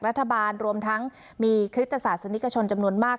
รัฐบาลรวมทั้งมีคริสตศาสนิกชนจำนวนมาก